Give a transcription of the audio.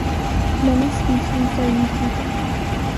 Many species are used in cooking.